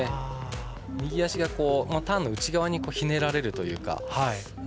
右足がターンの内側にひねられるというか。